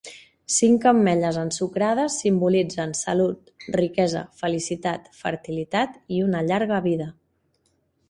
Cinc ametlles ensucrades simbolitzen salut, riquesa, felicitat, fertilitat i una llarga vida.